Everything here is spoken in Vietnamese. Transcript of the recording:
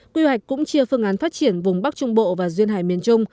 quy hoạch cũng chia phương án phát triển vùng bắc trung bộ và duyên hải miền trung